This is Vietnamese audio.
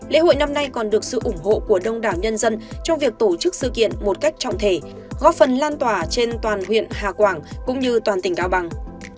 lễ hội năm nay còn được sự ủng hộ của đông đảo nhân dân trong việc tổ chức sự kiện một cách trọng thể góp phần lan tỏa trên toàn huyện hà quảng cũng như toàn tỉnh cao bằng